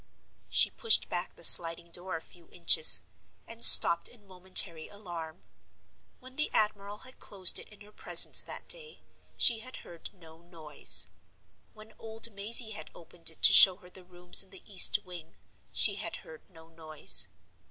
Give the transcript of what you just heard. She pushed back the sliding door a few inches—and stopped in momentary alarm. When the admiral had closed it in her presence that day, she had heard no noise. When old Mazey had opened it to show her the rooms in the east wing, she had heard no noise.